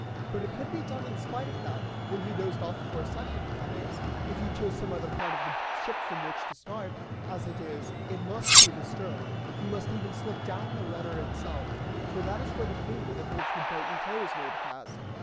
But it could be done in spite of that, when he dozed off for a second, that is, if you chose some other part of the ship from which to start: as it is, it must be the stern, you must even slip down the rudder itself, for that is where the painter that holds the boat in tow is made fast.